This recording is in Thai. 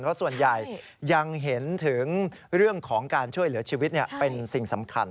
เพราะส่วนใหญ่ยังเห็นถึงเรื่องของการช่วยเหลือชีวิตเป็นสิ่งสำคัญ